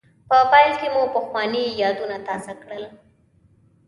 په پیل کې مو پخواني یادونه تازه کړل.